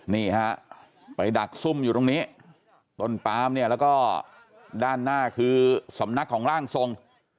นี่ฮะไปดักซุ่มอยู่ตรงนี้ต้นปามเนี่ยแล้วก็ด้านหน้าคือสำนักของร่างทรง